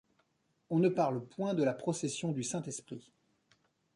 On ne parle point de la procession du Saint-Esprit.